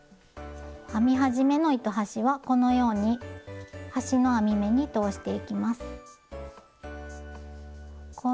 編み始めの糸端はこのように端の編み目に通していきます。